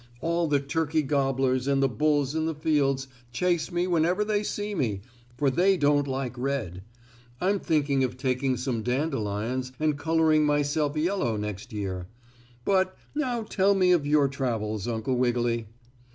All the turkey gobblers and the bulls in the fields chase me whenever they see me, for they don't like red. I'm thinking of taking some dandelions and coloring myself yellow next year. But, now tell me of your travels, Uncle Wiggily."